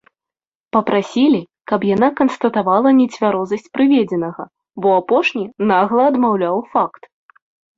Папрасілі, каб яна канстатавала нецвярозасць прыведзенага, бо апошні нагла адмаўляў факт!